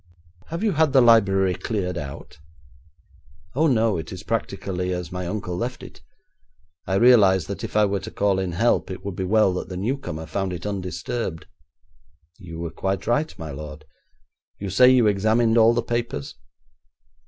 'Have you had the library cleared out?' 'Oh, no, it is practically as my uncle left it. I realised that if I were to call in help, it would be well that the newcomer found it undisturbed.' 'You were quite right, my lord. You say you examined all the papers?'